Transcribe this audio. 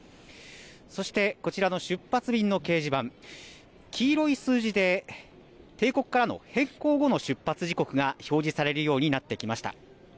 そしてこちらの出発便の掲示板、黄色い数字で定刻からの変更後の出発時刻が表示されるようになってきました。